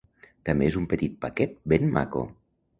També és un petit paquet ben maco.